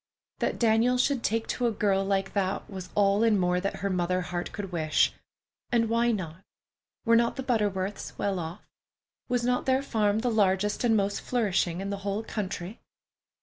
That Daniel should take to a girl like that was all and more than her mother heart could wish. And why not? Were not the Butterworths well off? Was not their farm the largest and most flourishing in the whole country?